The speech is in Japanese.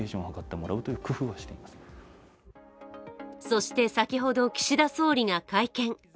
そして、先ほど岸田総理が会見。